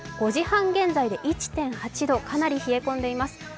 ５時半現在で１．８度、かなり冷え込んでいます。